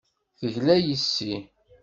Tegla yes-i.